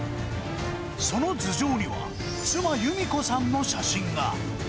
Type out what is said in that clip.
その頭上には、妻、由美子さんの写真が。